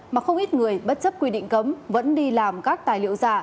mà không ít người bất chấp quy định cấm vẫn đi làm các tài liệu giả